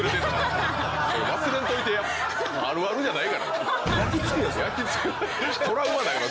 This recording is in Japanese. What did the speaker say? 忘れんといてやあるあるじゃないから。